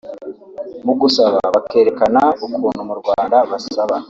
mu gusaba bakerekana ukuntu mu Rwanda basaba